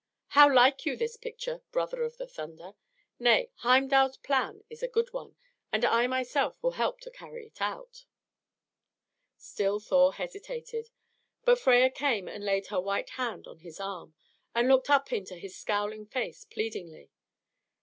How like you this picture, brother of the thunder? Nay, Heimdal's plan is a good one, and I myself will help to carry it out." Still Thor hesitated; but Freia came and laid her white hand on his arm, and looked up into his scowling face pleadingly.